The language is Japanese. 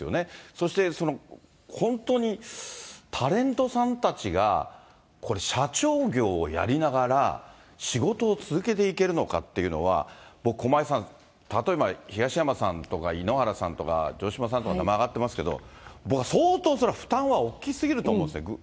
そして本当にタレントさんたちが、社長業をやりながら仕事を続けていけるのかっていうのは、僕、駒井さん、例えば、東山さんとか井ノ原さんとか城島さんとか名前挙がってますけど、僕は相当、それは負担は大きすぎると思うんですね。